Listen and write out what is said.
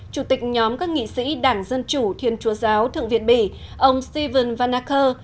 chủ tịch nhóm các nghị sĩ đảng dân chủ thiên chúa giáo thượng việt bỉ ông stephen van acker